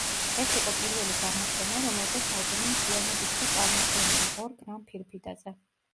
ეს იყო პირველი გამოცემა, რომელზეც ალბომი მთლიანად იქცა წარმოდგენილი, ორ გრამფირფიტაზე.